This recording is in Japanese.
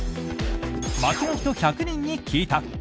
街の人１００人に聞いた！